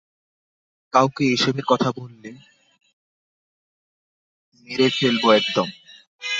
কাউকে এসবের কথা বললে মেরে ফেলব একদম।